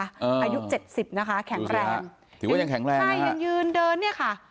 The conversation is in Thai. อายุเจ็ดสิบนะคะแข็งแรงถือว่ายังแข็งแรงใช่ยังยืนเดินเนี่ยค่ะ